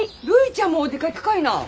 るいちゃんもお出かけかいな。